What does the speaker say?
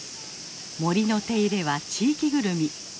森の手入れは地域ぐるみ。